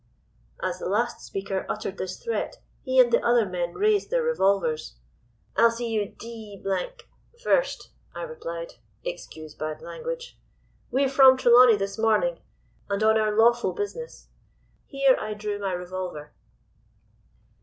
"As the last speaker uttered this threat, he and the other men raised their revolvers. "'I'll see you d—d first,' I replied (excuse bad language). 'We're from Trelawney this morning, and on our lawful business.' Here I drew my revolver.